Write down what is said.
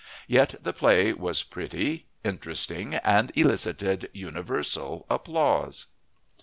Yet the play was pretty, interesting, and elicited universal applause.